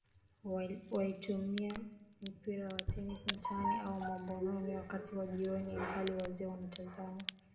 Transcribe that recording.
waiitumia mipira wa tennis mtaani au mwambanoni wakati wa jioni ilhali wazee wanatazama